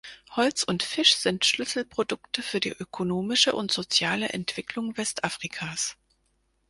Holz und Fisch sind Schlüsselprodukte für die ökonomische und soziale Entwicklung Westafrikas.